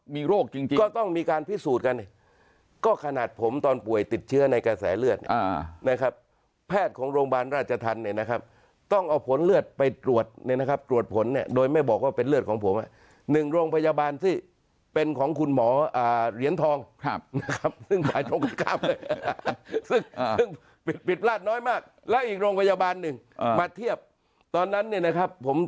มีโรคจริงก็ต้องมีการพิสูจน์กันก็ขนาดผมตอนป่วยติดเชื้อในกระแสเลือดนะครับแพทย์ของโรงพยาบาลราชธรรมเนี่ยนะครับต้องเอาผลเลือดไปตรวจเนี่ยนะครับตรวจผลเนี่ยโดยไม่บอกว่าเป็นเลือดของผมหนึ่งโรงพยาบาลที่เป็นของคุณหมอเหรียญทองครับนะครับซึ่งหมายโชคไม่กล้าไปซึ่งผิดพลาดน้อยมากแล้วอีกโรงพยาบาลหนึ่งมาเทียบตอนนั้นเนี่ยนะครับผม